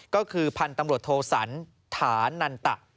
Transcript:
ก็คือพันธุ์ตำรวจโทสันธานันตะ